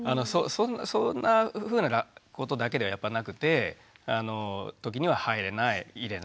そんなふうなことだけではやっぱなくて時には入れない入れない